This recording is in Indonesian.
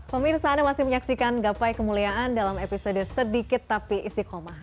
pemirsa anda masih menyaksikan gapai kemuliaan dalam episode sedikit tapi istiqomah